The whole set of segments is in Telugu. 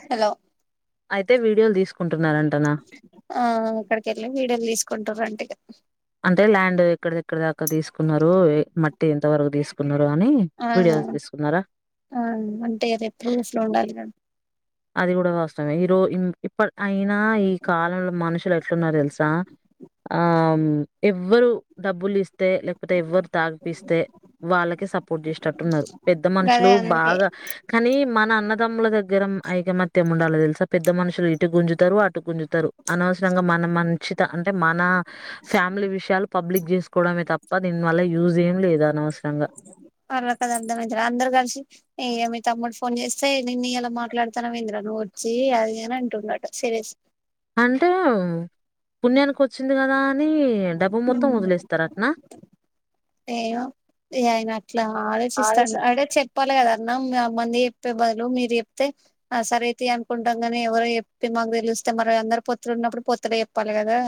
హలో ఆ అక్కడికి వెళ్ళి వీడియోలు తీసుకు కొంటరాంటి అంటే ల్యాండ్ ఎక్కడి ఎక్కడి దాకా తీసుకున్నారు మట్టి ఎంత వరకు తీసుకున్నారు అని వీడియోస్ తీసుకున్నారా ఆ అంటే అదే ప్రూఫ్ లో ఉండాలి గదా అది కూడా వాస్తవమే ఈరో ఇప్పడు అయినా ఈ కాలంలో మనుషులు ఎట్లున్నారో తెలుసా ఆ ఎవ్వరు డబ్బులు ఇస్తే లేకపోతే ఎవ్వరు తాగిపిస్తే వాళ్ళకి సప్ సపోర్ట్ చేసేటట్టున్నారు పెద్ద మనుషులు బాగా కానీ మన అన్నదమ్ముల దగ్గర ఐకమత్యం ఉండాలి తెలుసా పెద్ద మనుషులు ఇటు గుంజుతారు అటు గుంజుతారు అనవసరంగా మన మంచిత అంటే మన ఫ్యామిలీ విషయాలు పబ్లిక్ చేసుకోవడమే తప్ప దీని వల్ల యూజ్ చేం లేదు అనవ తర్వాత అర్థం మతు అందరు కలిసి ఏమి తమ్ముడు ఫోన్ చేస్తే నిన్నియాల మాట్లాడుతానవ్ ఏంది రా నువ్ ఓచ్చి అదిదని అంటుండు సిరెస్ అంటే పుణ్యానికి వచ్చింది కదా నీ డబ్బు మొత్తం వదిలేస్తారటనా ఏమో ఇగ ఆయన అట్లా ఆలోచిస్తాండు అంటే చెప్పాలి కదా అన్న మంది చెప్ చెప్పే బదులు మీరు చెప్తే ఆ సరే తీ అనుకుంటాం గని ఎవరో చెప్తే మాకు తెలుస్తే మరి అందరు పొత్తుల ఉన్నప్పుడు పొత్తుల చెప్పాలి కదా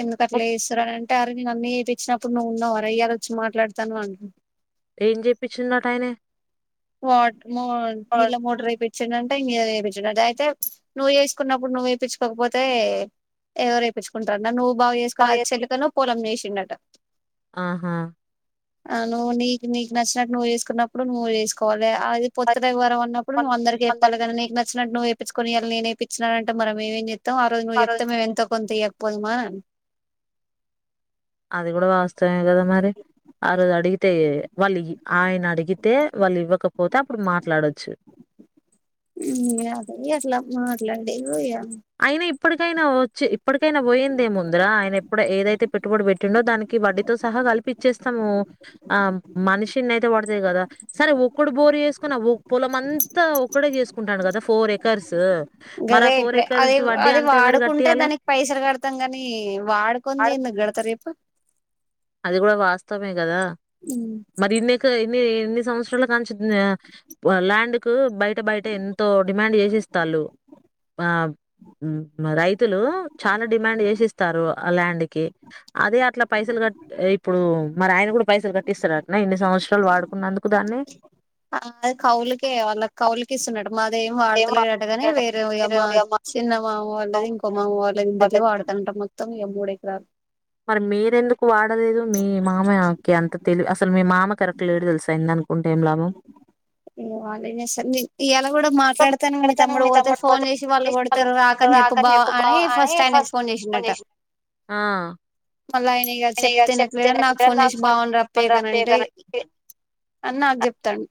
ఎందుకు అట్లా చేస్తారని అంటే అర నేను అన్ని చేపిచ్చినప్పుడు నువ్వు ఉన్నావార ఇయ్యాల వచ్చి మాట్లాడతానావ్ అన్ ఏం చెప్పించిండట ఆయినే వాట్ మో నీళ్ళ మోటర్ ఏపించిండు అంట ఇంగేదో అయితే నువ్వు చేసుకున్నప్పుడు నువ్వు ఏపించూకోకపోతే ఎవరు ఏపించుకుంటారన్న నువ్ బాగు చేసుకోని ఆ చెలుకను పొలం చేసిండట ఆహా ఆ నువ్వు నీక్ నీకు నచ్చినట్టు నువ్వు చేసుకున్నప్పుడు నువ్వు చేసుకోవాలి అది పొత్తుల ఎవ్వరం ఉన్నప్పుడు నువ్వు అందరికి చెప్పాలిగానీ నీకు న చినట్టు నువ్ ఏపించుకొని ఇయల నేన్ ఏపించినా అంటే మేం ఏం జేత్తం ఆ రోజు నువ్ చెప్తే మేం ఎంతో కొంత ఇయాక్పొందుమా అది కూడా వాస్తవమే కదా మరి ఆ రోజు అడిగితే వాళ్ళు ఆయన అడిగితే వాళ్ళు ఇవ్వకపోతే అప్పుడు మాట్లాడొద్ చ్చు అదే అట్లా మాట్లాడీరు అయినా ఇప్ ప్పటికైనా వచ్చి ఇప్పటికైనా పోయిందే ఏం ముందిరా ఆయన ఎప్పుడు ఏదైతే పెట్టుబడి పెట్టిండో దానికి వడ్డీతో సహా కల్ ఇచ్చేస్తాము ఆ మనిషిన్ని అయితే పడతాయి కదా సరే ఒక్కోడు బోరు వేసుకున్నా పొలం అంతా ఒక్కడే చేసుకుంటండూ కదా ఫోర్ ఎకర్స్ మరా ఫోర్ ఎర్ అది అది వాడుకుంటే దానికి పైసలు కడతాం గాని వాడుకోన్ది ఎందుకు కడతర్ చెప్పు అది కూడా వాస్తవమే కదా మరి ఇన్నిక నిది ఎన్ని సంవత్సరాలకంచి ల్యాండ్ కు బయట బయట ఎంతో డిమాండ్ చేసిస్తారు లు ఆ రైతులు చానా డిమాండ్ చేసిస్తారు ఆ ల్యాండ్ కి అదే అట్లా పైన్ పైసలు కట్ ఇప్పుడు మరి ఆయన కూడా పైసలు కట్టిస్తారటనా అ కౌలికే వాళ్ళ కౌలికి ఇస్తుందట మాదేం వాడతలేనట్టుగానే వేరే ఇగ మా చిన్న మామ వాళ్ళది ఇంకో మామ వాళ్ళ ఇంతకే వాడతంట మొత్తం ఇగ మూడేకరాలు మరి మీరెందుకు వాడలేదు మీ మామయ్యకి అంత తెలి అసలు మీ మామ కరెక్ క్లియర్దేల్సా అయిందన్ ఇ వాళ ఇ ఎలా కూడా మాట్లాడతాను మీ తమ్ముడు పోతే ఫోన్ చేసి వాళ్ళు కొడతారు రాకని చెప్పప్పు బా అని ఫస్ట్ ఆయన ఫోన్ చేసి ఫోన్ చేష్ ఆ మళ్ళీ ఆయన ఇగ చెప్తినట్లేడని నాకు ఫోన్ చేసి బాగుండ అప్పేఎద్ అనంటే అని నాక్ చెప్తండు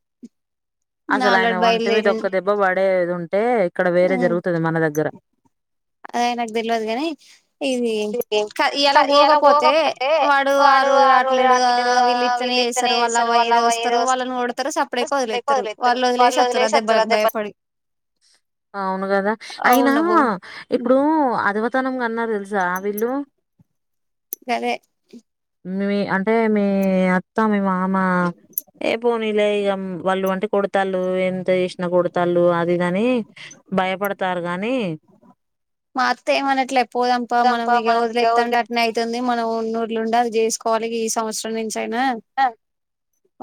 అసలు ఆయన ఒంటి మీద ఒక్క దెబ్బ పడేది ఉంటే ఇక్కడ వేరే జరుగుతది మన దగ్గర ఆది ఆయనకి తెల్వదు గని ఇది ఇలా పోకపోతే వాడు ఆ రోజులు రాట్లేడు వీళ్ళిట్లనే స్తారు వాళ్ళ అవ్వ ఏదో వస్తారు వాళ్ళని కొడతారు సప్పుడేక వదిలేస్తారు వాళ్ళు వదిలేసేస్తారు ఆ దెబ్బలకి భయపడి అవును కదా అయినా ఇప్పుడు అధవతనంగా అన్నారు తెలుసా వీళ్ళు మీ అంటే మీ అత్తా మీ మామా ఏ పోనీలే ఇగ వాళ్ళు వంటికుడతాళ్ళు ఎంత చేసినా కొడతాళ్ళు అదిదని భయపడతారు గాని మా అత్త ఏం అనట్లే పోదాం పా మనం వదిలేతాంటే అట్న్ అయితది మనంన్నఊళ్ళండి అది చేసుకోవాలి ఈ సంవత్సరం నుంచి అయినా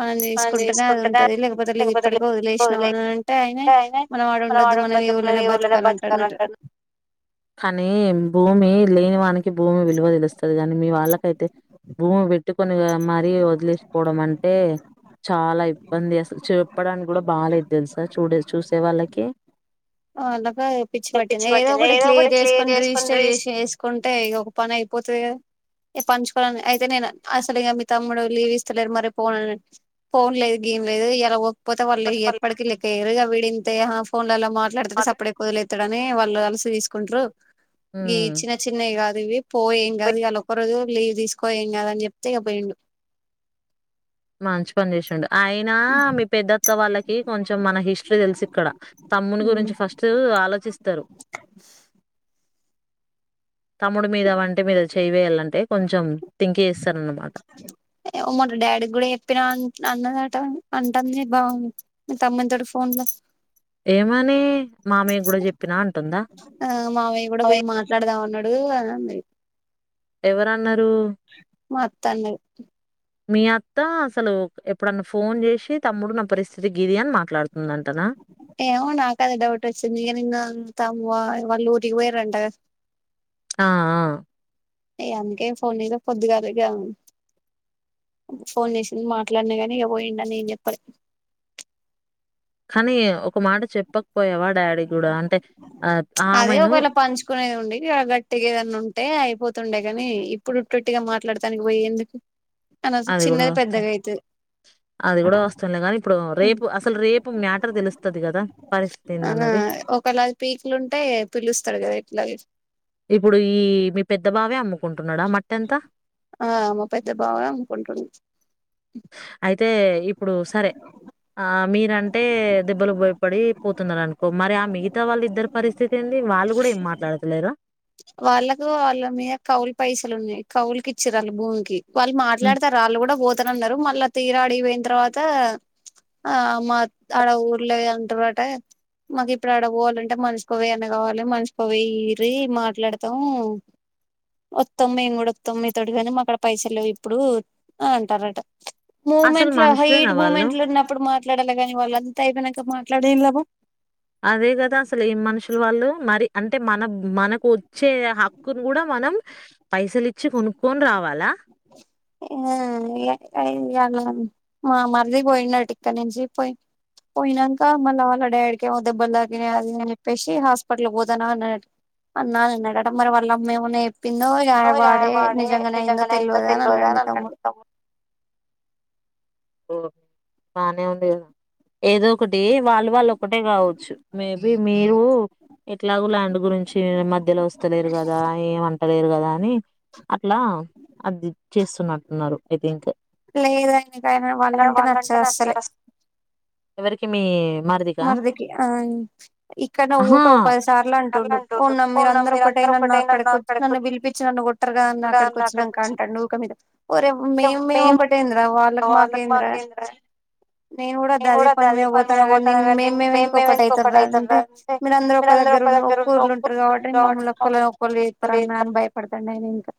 మనం చేసుకుంటేనే అది ఉంటది లేకపోతే లేదు ఇప్పటికో వదిలేసినామని అంటే ఆయనే మనం ఆడ ఉండ ఊ బతుకాలంట కానీ భూమి లేని వాకి భూమి విలువ తెలుస్తుది కాగాని మీ వాళ్ళకైతే భూమి పెట్టుకని మరీ వదిలేసుకోవడం అంటే చాలా ఇబ్బంది అసలు చెప్పడానికి కూడా బాగాలేదు తెలుసా చూడ చూసే వాళ్ళకి అలాగా పిచ్చి పట్టింది ఏదో ఒకటి క్యర్ చేసుొని రిజిస్టర్ చే చేసుకుంటే ఇ ఒక పని అయిపోతుంది కదా పంచుకోవాలని అయితే నేను అసలు ఇంకా మీ తమ్ముడు లీవ్ ఇస్తలేరు మరి పోన ఫోన్ లేదు గేమ్ లేదు ఎలా పోతే వాళ్ళు ఎప్పటికిీ లెక ఎరుగా విడింతే ఫోన్లలా మాట్లాడుతేే సడే వదిలేతే ఇత్తడనే వాళ్ళు అలసి తీసుకుంటారు హ చిన్నవి కాదు ఇవి పో ఏం కాదు ఇవాళ ఒక్క రోజు లీవ్ తీసుకో ఏం కాదు అని చెప్తే ఇక పోయిండు మంచి పని చేసిండు అయినా మీ పెద్దత్ వాళ్ళకి కొంచెం మన ఇష్ట ఫ తెలుసి ఇక్కడ తమ్ముని గురించి ఫస్ట్ ఆలోచిస్తారు తమ్ముడు మీద వంటే మీద చేయవయాలంటే కొంచెం థింక్ చేస్త మొట డాడీ కూడా చెప్పిన అన్నదట అంటుంది బాగుంది మీ తమ్మ తోడు ఫోన్ లో ఏమని మామయ్య కూడా చెప్పినా అంటుందా అడే అరం ఎవరన్నారు మత్తం మీ అత్తా అసలు ఎప్పుడన్నా ఫోన్ చేసి తమ్ముడున్న పరిస్థితి గీది అని మాట్లాడుతుందంటనా ఏవు నాకు అది డౌట్ వచ్చ మీక ఇ తమ్ వళ్ళూరికి పోరంట ఆ ఆ న అందుకే ఫోన్ద కొద్దుగాదుగా ఫోన్ చేసింది మాట్లాడినా కానీ ఇక పోయిడి అని నేను చెప్పారు కానీ ఒక మాట చెప్పకపోయావా డాడీ కూడా అంటే అదే ఒకవేళ పంచుకునేది ఉండి ఇళ గట్టిగా ఏదన్నా ఉంటే అయిపోతు తుండే గాని ఇప్పుడుట్టొట్టుగా మాట్లాడటానికి పోయి ఎందుకు అనసలు చిన్నది పెద్దగా అయితు అది కూడా వస్తులే కానీ ఇప్పుడు రేపు అసలు రేపు మ్యాటర్ తెలుస్తుంది కదా పరిస్థితింద ఆ ఒకేలాది పీకులు ఉంటే పిలుస్తారు కదా ఇట్లా ఇప్పుడు ఈ మీ పెద్ద బావే అమ్ముకుంటున్నాడా మట్టెంత ఆ మా పెద్ద బావ అమ్కుంటంది అయితే ఇప్పుడు సరే ఆ మీరంటే దెబ్బలు భోయపడి పోతున్నారు అనుకో మరి ఆ మిగతా వాళ్ళ ఇద్దరు పరిస్థితి ఏ అ వాళ్ళు కూడా ఏం మాట్లాడతలేరు వాళ్ళకు వాళ్ళ మీద కవులు పైసలు ఉన్నాయి కవులుకి ఇచ్చారుళు భూమికి వాళ్ళు మాట్లాడతారు వాళ్ళు కూడా పోతనన్నారు మళ్ళా తీరాడిగిపోయిన తర్వాత ఆ అమ్మా అడ ఊర్లే అంటవాట మాకు ఇప్పుడు ఆడ పోవాలంటే మనసుకోవ అన్నా కావాలి మనసుపోవిరి మా ఇట్లడతం మొత్తాం మేము కూడా వొత్తాం మీతోటి కానీ మా అక్కడ పైసలు ఇప్పుడు అంటారట మూ్మెంట్ లో హైట్ మూమెంట్ లో ఉన్నప్పుడు మాట్లాడాలిగాని వాళ్ళ అయిపోనాక మాట్లాడేం బ అదే కదా అసలు ఈ మనుషుల వాళ్ళు మరి అంటే మన మనకు వచ్చే హక్కును కూడా మ మనం పైసలిచ్చి కొనుక్కొని రావాలా ఆ అలా మా మర్దిీ పోయిన్నాటిక్క నేంచిపోయి పోయినాక మళ్ళా మళ్ళ డాడ్కిే దెబ్బలాకినే అది అని చెప్పేసి హాస్ ఇప్పట్ల పోతానా అ అన్నా అన్నడట మరి వాళ్ళ మేము పిో వపాడే నిజ అంగానేయిందో తెలిద అన్న ఏండి ఓే బానే ఉంది కదా ఏదో ఒకటి వాళ్ళు వాళ్ళు ఒకక్కటే కావచ్చు మ బి అవి మీరు ఎట్లాగ ల్యాండ్ గురించి మధ్యలో వస్తలేరు కదా ఏంంటలేరు కదా అని అట్లా అది చేస్తున్నట్టున్నారు ఐ థింక్ లేదు ఆయనక ఆయన వాళ్ళంటే నచ్చదు అస్సలే ఎవరికి మీ మరదికి ఆ ఇక్కడ ఊక పదిసార్లు అంటుండు ఉన్నా మీరు అందరు ఒకటే నన్ను అక్కడికి వచ్చి నన్ను పిలిపించి నన్ను కొట్టరగాన్న అక్కడికి వచ్చిక అంటాడు క మీద ఒరే మేము మేము ఒకటేంద్ర వాళ్ాలగ మాకేంద్ర నేను కూడా దదే పనిమపోతా ే మే మేము ఎందుకు ఒకటి అవుతు అంటే మీరు అందరు ఒక దగ్గర ఒక ఊళ్ళ ఉంటారు కాబట్టి మమ్మల్ని లి ఇస్తర నని భయపడతాడు నేను ఇంకా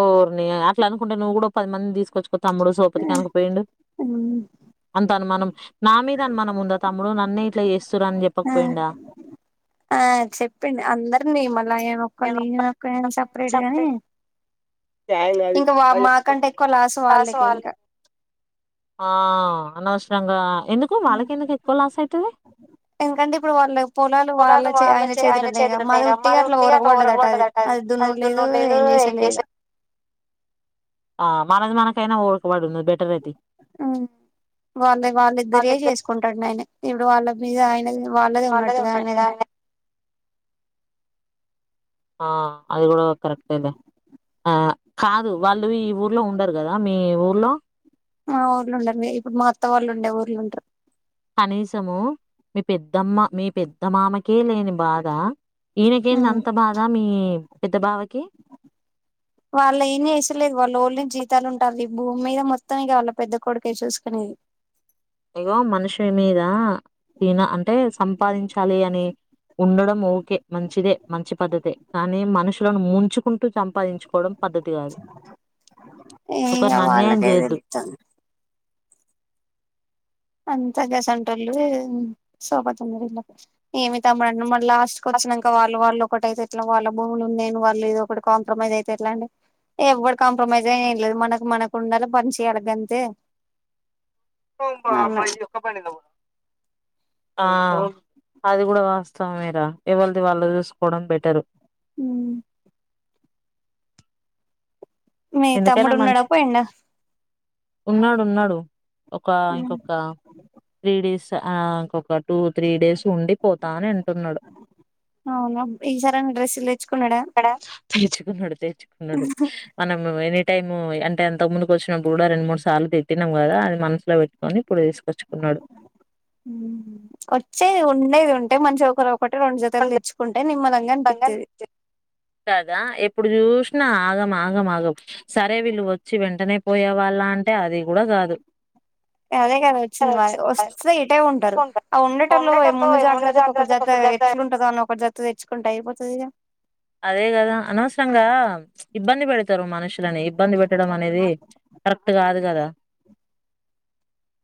ఓని అట్లా అనుకుంటే నువ్వు కూడా పదిమంది తీసుకొచ్చుకో తమ్ముడు సోపతి కనకపోయిండు అంత అనుమానం నా మీద అనుమానం ఉందా తమ్ముడు నన్నే ఇట్లా చేస్తురా అని చెప్పకపోయిడా ఆ చెప్పండి అందరినీ మళ కొకు సపరేట్ గాని ఇంకా మాకంటే ఎక్కువ లాస్ లాస్ వాళ్ళు ఆ అనవసరంగా ఎందుకు వాళ్ళకి ఎందుకు ఎక్కువ లాస్ అయితది పొలాలు వాళ్ళ అయన చేతుల ఉన్నాయి కదా మాది ఉటిగా అ ఉరగండదట్ట అదిదునుడు లేదు ఏం చేసా ఆ మనది మనకైనా ఓ వాళ్ళ వాళ్ళిద్దరి చేసుకుంటాడు అయినే ఇప్పుడు వాళ్ళ మీద ఆయన వాళ్ళదే ఉన్నట్టుగా ఆయనదే ఆ అది కూడా కరెక్ట్ లే ఆ కాదు వాళ్ళు ఈ ఊర్లో ఉండరు కదా మీ ఊర్లో ఆ ఊర్ళలు ఉండరు ఇప్పుడు మా అత్త వాళ్ళు ఉండే ఊర్ళ ఉంటరు కనీసము మీ పెద్దమ్మ మీ పెద్దమామకే లేని బాధ ఈయనకిేంద అంత బాధ మీ పెద్ద బావకి వాళ్ళ ఏం ఇసలేదు వాళ్ళు వాళ్ళని జీత మతాలు ఉంటాలి భూమి మీద మొత్తం కావాల పెద్ద కొడికే చూసుకునేది ఏగో మనిషి మీద తిన అంటే సంపాదించాలి అని ఉండడం ఓకే మంచిదే మంచి పద్ధతే కానీ మనుషులను ముంచుకుంట చుూ సంపాదించుకోవడం పద్ధతి కాదు ఒకరిని అన్యాయం చేయొద్దు అంతగాసంటోళ్ళు సోఫ తొందర ఇలా ఏమి తమ్ముడున్న మ లాస్ట్ క వచ్చినాక వాళ్ళు వాళ్ళు ఒకటి అయితే ఎట్లా వాళ్ళ భూములు ఉేను వాళ్ళు ఇద ఒకటి కాంపమై్ అయితే ఎట్లాండి ఎప్పుడు కాంప్రమైజ్ అయిన ఏం లేదు మనకు మనకు ఉండాలే పంచియాలే గంతే అది కూడా వాస్తవ ా మీరా ఎవళది వాళ్ళు చూసుకోవడం బెటరు హ్మ్ మీ తమ్ముడు ఉన్నాడా పోయిండా ఉన్నాడు ఉన్నాడు ఒక ఇంకొక త్రీ డేస్ ఇంకొక టూ త్రీ డేస్ ఉండిపోతాని అంటున్నాడు తెచుకున్నాడు తెచుకున్నాడు మనం ఎనీ టైమ్ అంటే అంతకు ముందుకు వచ్చినప్పుడు కూడా రెండు మూడు సార్లు తట్టినాం కదా అది మనసులో పెట్టుొని ఇప్పుడు తీసు వచ్చేది ఉండేది ఉంటే మంచి ఒకరు కొ రెడ్ జతలి తెచ్చుకుంట నిమ్మ పంగంపిట్ కదా ఎప్పుడు చూసినా ఆగం ఆగం ఆగం సరే వీళ్ళు వచ్చి వెంటనే పోయే వాళ్ళ అలా అంటే అది కూడా కాదు అదే కదా వచ్చింది బా వస్తే ఇటే ఉంటారు ఆ ఉండటంలో ముందు జాగ్రత్తకు ఒక జాత ఎట్లుంటదో అని ఒకటి జరుగతుంది తెచ్చుకుంటే అయిపోతుంది అదే కదా అనవసరంగా ఇబ్బంది పెడతారు మనుషులని ఇబ్బంది పెట్టడం అనేది కరెక్ట్ కాదు కదా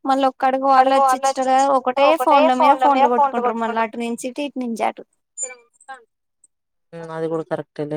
మళ్ళీ ఒక్కడుగు వాళ్ళు వచ్చిచ్చట ఒకటే ఫోన్ లో మీద ఫోన్ లో కొట్టుకుంటారు మళ్ళీ అటు నుంచి నుంచి జాటు అది కూడా కరెక్ట్ అల్